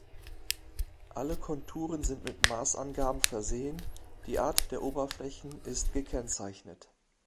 Alle Konturen sind mit Maßangaben versehen, die Art der Oberflächen ist gekennzeichnet.